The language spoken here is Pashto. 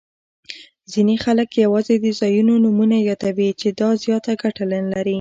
ځیني خلګ یوازي د ځایونو نومونه یادوي، چي دا زیاته ګټه نلري.